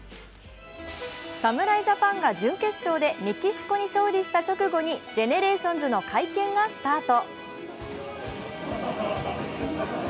侍ジャパンが準決勝でメキシコに勝利した直後にＧＥＮＥＲＡＴＩＯＮＳの会見がスタート。